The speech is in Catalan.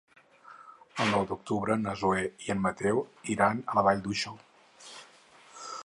El nou d'octubre na Zoè i en Mateu iran a la Vall d'Uixó.